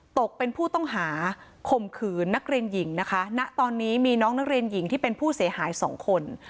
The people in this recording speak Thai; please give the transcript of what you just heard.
ตกเป็นผู้ต้องหาข่มขืนนักเรียนหญิงนะคะณตอนนี้มีน้องนักเรียนหญิงที่เป็นผู้เสียหายสองคน